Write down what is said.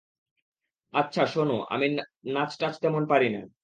আচ্ছা, শোনো, আমি নাচ-টাচ তেমন পারি না।